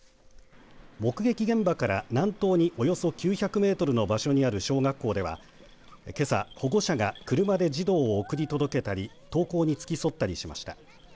目撃現場から南東におよそ９００メートルの場所にある小学校ではけさ保護者が車で児童を送り届けたり登校に付き添ったりしました。